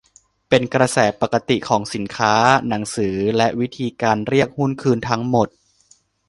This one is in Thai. เป็นกระแสปกติของสินค้า หนังสือ และวิธีการเรียกหุ้นคืนทั้งหมด